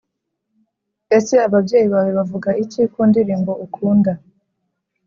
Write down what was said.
Ese ababyeyi bawe bavuga iki ku ndirimbo ukunda?